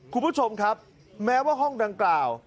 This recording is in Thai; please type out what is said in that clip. คุณผู้ชมครับแม้ว่าห้องดังกล่าว